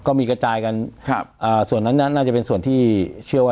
ก็มีกระจายกันครับอ่าส่วนนั้นนั้นน่าจะเป็นส่วนที่เชื่อว่า